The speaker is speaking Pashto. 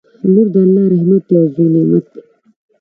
لور د الله رحمت دی او زوی نعمت دی